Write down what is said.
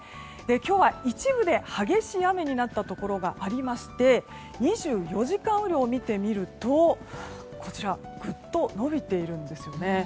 今日は一部で激しい雨になったところがありまして２４時間雨量を見てみるとぐっと伸びているんですよね。